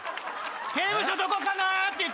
「刑務所どこかな」って。